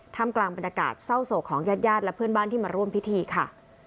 กลางบรรยากาศเศร้าโศกของญาติญาติและเพื่อนบ้านที่มาร่วมพิธีค่ะ